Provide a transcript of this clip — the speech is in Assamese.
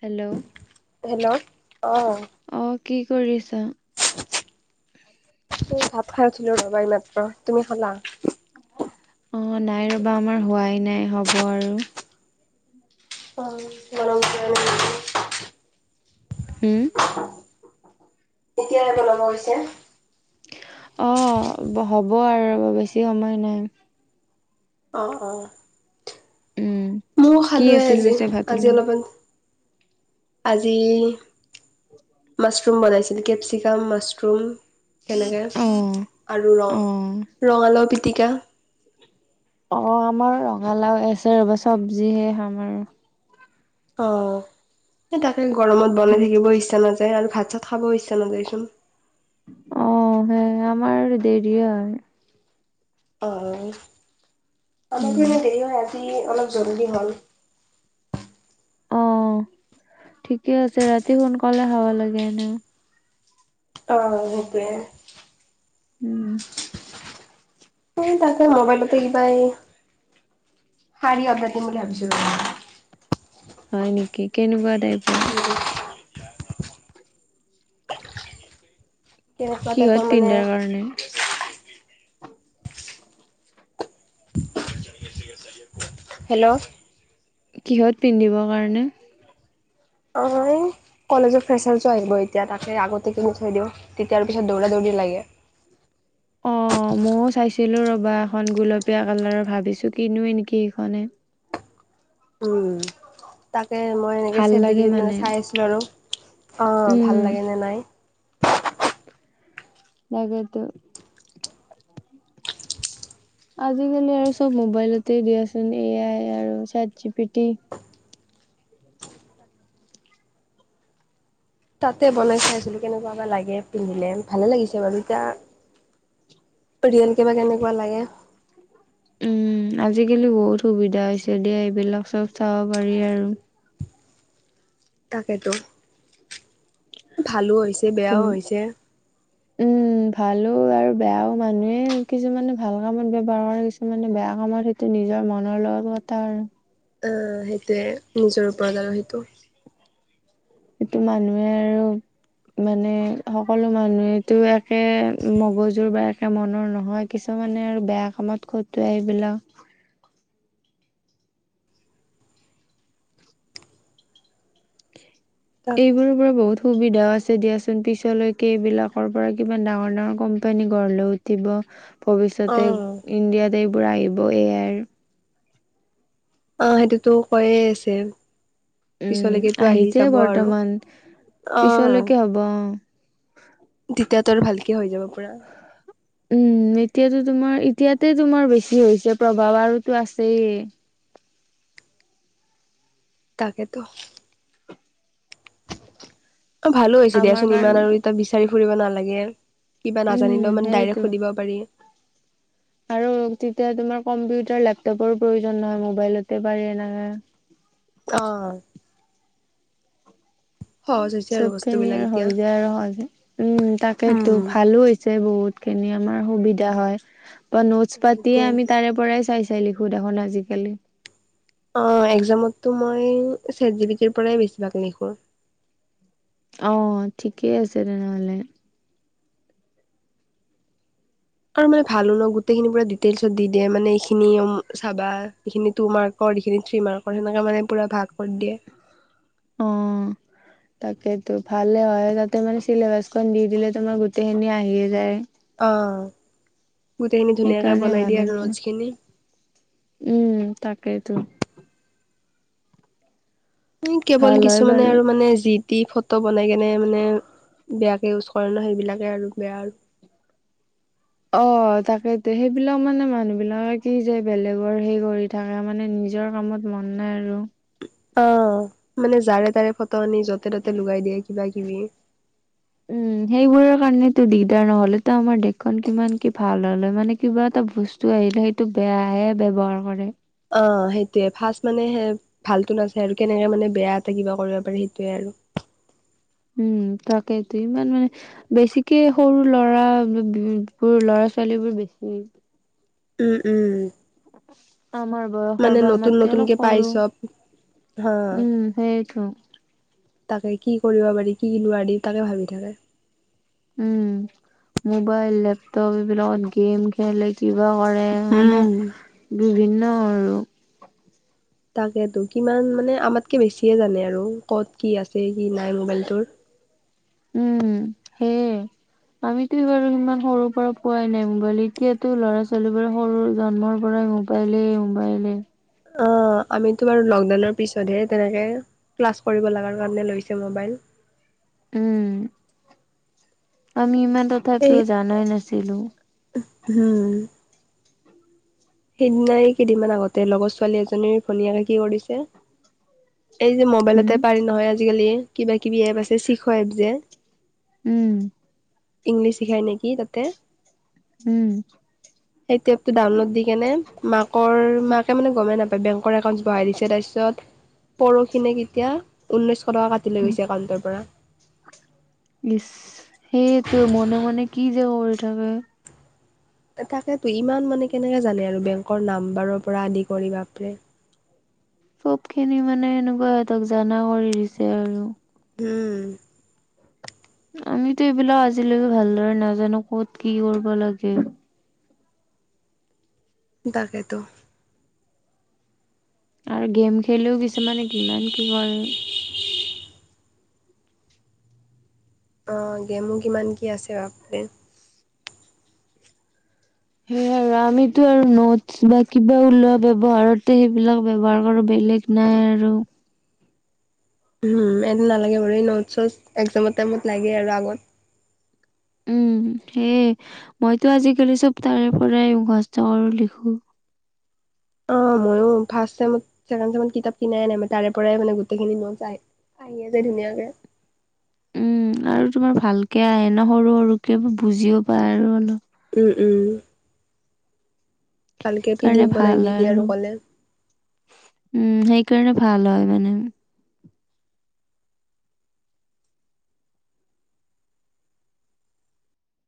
হেল্ল'। হেল্ল' অ। অ কি কৰি আছা? এ ভাত খাই উঠিলো ৰবা এই মাত্ৰ, তুমি খালা? অ অ অ নাই ৰ'বা আমাৰ হোৱাই নাই হ'ব আৰু ক ওওও বনাওঁ পিছে ঠক ঠঠঠঠ। হুম উ। কেতিয়ালৈকে বনোৱা হৈছে? অ হ'ব আৰু বেছি সময় নাই। অ অ। উম মই কি খালোৱে আছিল আজি পিছে ভাতৰ আজি লগত অলপমান। আজি মছৰুম বনাইছিল। কেপচিকাম, মছৰুম সেনেকে অ আৰু অ ৰঙালাও পিটিকা। অ আমাৰ ৰঙালাও আছে ৰবা চবজিহে খাম আৰু। অ সে তাকে গৰমত বনাই থাকিবও ইচ্ছা নাযায় আৰু ভাত চাত খাবও ইচ্ছা নাযায় চোন। অ সে আমাৰ দেৰিয়ে হয়। অ-অ, উম আমাৰতো এনে দেৰি হয় আজি অলপ জল্দি হ'ল। অ ঠিকে আছে ৰাতি সোনকালে খাব লাগে এনেও। অ-অ, সেইটোৱে। উম। এই তাকে মবাইলতে কিবা এই শাৰী অৰ্ডাৰ দিম বুলি ভাবিছিলো। হয় নেকি? কেনেকুৱা টাইপ? [unintelligible] [inaudible] কেনেকুৱা টাইপৰ কিহত মানে পিন্ধাৰ কাৰণে? হেল্ল'। কিহত পিন্ধিবৰ কাৰণে? [unintelligible] কলেজৰ ফ্ৰেছাৰছো আহিব এতিয়া তাকে আগতে কিনি থই দিওঁ। তেতিয়াৰ পিছত দৌৰা দৌৰি লাগে। অ ময়ও চাইছিলো ৰবা এখন গুলপীয়া কালাৰ ভাবিছো কিনোয়ে নেকি সেইখনে। উম, তাকে মই এনেকে ভাল চেট জি পি লাগে তিত মানে চাই আছিলোঁ আৰু। অঁ ভাল উম লাগেনে নাই। তাকেইটো। আজিকালি আৰু চব মোবাইলতে দিয়াচোন এ আই আৰু চেত জি পি টি। [inaudible] তাতে বনাই চাইছিলো কেনেকুৱা বা লাগে পিন্ধিলে, ভালে লাগিছে বাৰু এতিয়া ৰিয়েল কে বা কেনেকুৱা লাগে। উম, আজিকালি বহুত সুবিধা হৈছে দিয়া এইবিলাক চব চাব পাৰি আৰু। তাকেতো ভালো হৈছে, বেয়াও তুম হৈছে। উম ভালো আৰু বেয়াও মানুহে কিছুমানে ভাল কামত ব্যৱহাৰ কৰে কিছু মানে বেয়া কামৰ সেইটো নিজৰ মনৰ লগত কথা আৰু। অ সেইটোৱে নিজৰ ওপৰত আৰু সেইটো। এইটো মানুহে আৰু মানে সকলো মানুহে তু একে মগজুৰ বা মনৰ নহয় কিছুমানে আৰু বেয়া কামত খটোৱাই এইবিলাক। তাক এইবোৰৰ পৰা বহুত সুবিধাও আছে দিয়াচোন পিছলৈকে এইবিলাকৰ পৰা কিমান ডাঙৰ ডাঙৰ কম্পেনী গড় লৈ উঠিব। ভৱিষ্যতে অঁ ইণ্ডিয়াত এইবোৰ আহিব এ-আই ৰ। অ সেইটোতো কয়ে আছে। উম পিছলৈকেতো আহি আহিছে যাব আৰু বৰ্তমান অঁ পিছলৈকে হব অ। তেতিয়া তৰ ভালকে হৈ যাব পুৰা উম এতিয়াতো তোমাৰ এতিয়াতে তোমাৰ বেছি হৈছে প্ৰভাৱ আৰু তো আছেই তাকেতো অ ভালো হৈছে আমাৰ দিয়াচোন কাৰণ ইমান আৰু ইতিয়া বিচাৰি ফুৰিব নালাগে কিবা উম নাজানিলেও মানে ডাইৰেক্ট সেইটো সুধিব পাৰি। আৰু তেতিয়া তোমাৰ কম্পিউটাৰ লেপটপৰো প্ৰয়োজন নহয় মোবাইলতে পাৰি এনেকে। অ। সহজ হৈছে আৰু চব খিনি বস্তুবিলাক আৰু এতিয়া। হৈ যায় আৰু সহজে। উম তাকেইতো ভালো হৈ যে বহুত খিনি আমাৰ সুবিধা হয়, বা নোটছ পাতিয়ে সেইটোৱে। আমি তাৰে- পৰাই চাই চাই লিখো দেখোন আজিকালি। অ এক্সামতো মই ছেট জি বি টিৰ পৰাই বেছিভাগ লিখো। অ ঠিকেই আছে তেনেহলে। আৰু মানে ভালো ন গোটেইখিনি পুৰা ডিটেইলছত দি দিয়ে মানে এইখিনি চাবা এইখিনি তোমাৰ- কৰ এখিনি থ্ৰী মাৰ্কৰ হেনকা মানে ভাগ কৰি দিয়ে অ তাকেতো ভালে হয় তাতে মানে চিলেবাচখন দি দিলে তোমাৰ গোটেই খিনি আহিয়ে যায় অ গোটেইখিনি ধুনীয়াকে সেইকাৰণে বনাই ভাল দিয়ে লাগে আৰু নোজখিনি উম তাকেইতো কেৱল ভাল হয় কিছুমানে বাৰু আৰু মানে জিদ দি ফটো বনাই কেনে মানে বেয়াকে ইউজ কৰে ন সেইবিলাকে আৰু বেয়া আৰু অ তাকেইতো সেইবিলাক মানে মানুহ বিলাকে কি যে বেলেগৰ হে কৰি ধাৰা মানে নিজৰ কামত মন নাই আৰু অ মানে যাৰে তাৰে ফটো আনি য'তে ত'তে লগাই দিয়ে কিবা কিবি উম সেইবোৰৰ কাৰণেটো দিগদাৰ নহলে তো আমাৰ দেশখন কিমান কি ভাল হল মানে কিবা এটা বস্তু বস্তু আহিলে সেইটো বেয়াহে ব্যৱহাৰ কৰে অ সেইটোৱে ফাৰ্ষ্ট মানে সে ভালো নাচায় আৰু কেনেকে মানে বেয়া এটা কিবা কৰিব পাৰে সেইটোয়ে আৰু উম তাকেইতো ইমান মানে বেছিকে সৰু ল'ৰা বোৰ ল'ৰা ছোৱালী বোৰ বেছি উম উম আমাৰ বয়সৰ মানে বা নতুন আমাতকে অলপ নতুনকে পাই সৰু চব হা উম সেইটো তাকে কি কৰিব পাৰি কি নোৱাৰি তাকে ভাবি থাকে উম মোবাইল লেপটপ এইবিলাকত গেম খেলে কিবা কৰে মানে উম। বিভিন্ন আৰু তাকেতো কিমান মানে আমাতকে বেছিয়ে জানে আৰু ক'ত কি আছে কি নাই মোবাইলটোৰ উম সেইয়ে [unintelligible] মইতো বাৰু ইমান সৰুৰ পৰা পোৱাই নাই মোবাইল এতিয়াতো ল'ৰা ছোৱালী বোৰ সৰু জন্ম পৰাই মবাই মোবাইলে মোবাইলে অ আমিতো বাৰু লকডাউনৰ পিছতহে তেনেকে ক্লাছ কৰিব লাগাৰ কাৰণে লৈছে মোবাইল উম আমি ইমান তথাপিও জানাই নাছিলো হো সেইদিনাই কেইদিনমান আগতে লগৰ ছোৱালী এজনীৰ ভনীয়েকে কি কৰিছে এই যে উম মোবাইলতে পাৰি নহয় আজিকালি কিবা কিবি এপ আছে চিখ এপ যে উম ইংলিছ শিখাই নেকি তাতে উম সেইটো এপটো ডাউনলোড দি কেনে মাকৰ মাক মানে গমে নাপায় বেংকৰ একাউণ্ট বহাই দিছে তাৰ পিছত পৰখি নে কেতিয়া ঊনৈশ টকা কাটি কাটি লৈ গৈছে একাউণ্টৰ পৰা। ইচ, সেইটোৱে মনে মনে কি যে কৰি থাকে। তা তাকেতো ইমান মানে কেনেকে জানে আৰু বেংকৰ নাম্বাৰৰ পৰা আদি কৰি বাপৰে চব খিনি মানে এনেকুৱা এতক জানা কৰি দিছে আৰু উম আমিতো এইবিলাক আজিলৈকে ভালদৰে নাজানো কত কি কৰিব লাগে দাকেটো আৰু গেম খেলিও কিছুমানে কিমান কি কৰে অঁ গেমো কিমান কি আছে আপুনি হে আৰু আমিটো আৰু নোটছ বা কিবা ওলোৱা ব্যৱহাৰতে সেইবিলাক ব্যৱহাৰ কৰোঁ বেলেগ নাই আৰু উম এইটো নালাগে বাৰু এই নোটছ চোটছ একজামৰ টাইমত লাগে আৰু আগত উম সেয়ে মইটো আজিকালি চব তাৰে পৰাই মুখস্থ কৰোঁ লিখোঁ। অ ময়ো ফাৰ্ষ্ট চেমত ছেকেণ্ড চেমত কিতাপ কিনাই নাই মই তাৰে পৰাই মানে গোটেইখিনি নোটচ চাই। আহিয়ে যে ধুনীয়াকে। উম আৰু তোমাৰ ভালকে আহে ন সৰু সৰুকে বুজিও পায় আৰু অলপ। উম উম। ভালকে পি ডি কাৰণে এফ ভাল বনাই দি হয় দিয়ে আৰু ক'লে। উম সেইকাৰণে ভাল হয় মানে।